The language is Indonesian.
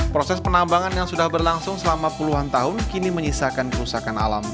proses penambangan yang sudah berlangsung selama puluhan tahun kini menyisakan kerusakan alam